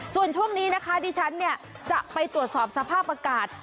ส่วนช่วงนี้นะคะดิฉันเนี่ยจะไปตรวจสอบสภาพอากาศ